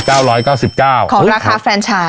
ของราคาแฟรนชัย